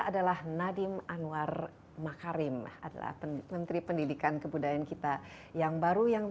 adalah nadiem anwar makarim adalah menteri pendidikan kebudayaan kita yang baru yang